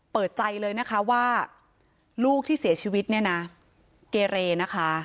เปิดใจเลยนะคะว่าลูกที่เสียชีวิตเนี่ยนะเกเรนะคะ